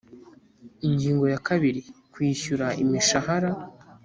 Ingingo ya kabiri Kwishyura imishahara